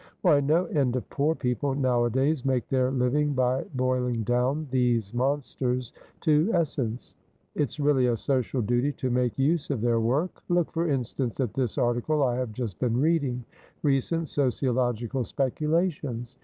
Why, no end of poor people nowadays make their living by boiling down these monsters to essence. It's really a social duty to make use of their work. Look, for instance, at this article I have just been reading'Recent Sociological Speculations.'